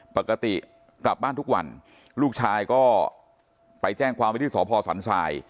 ปกติกลับบ้านทุกวันลูกชายก็ไปแจ้งความไว้ที่สพสันทราย